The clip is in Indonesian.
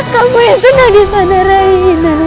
kamu yang tenang disana raimu